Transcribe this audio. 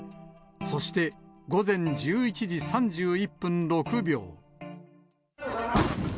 そして、午前１１時３１分６秒。